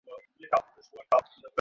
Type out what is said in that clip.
তুই আবালের মত হাসছিলি!